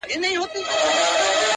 له جهاني څخه به اورو یو کتاب غزلي -